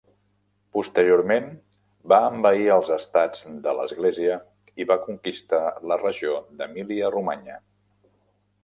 Posteriorment va envair els Estats de l'Església i va conquistar la regió d'Emília-Romanya.